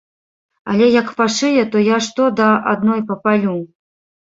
Але як пашые, то я што да адной папалю!